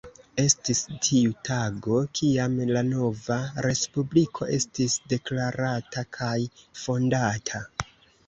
Estis tiu tago, kiam la nova respubliko estis deklarata kaj fondata.